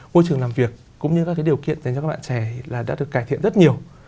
môi trường làm việc cũng như các điều kiện dành cho các bạn trẻ đã được cải thiện rất nhiều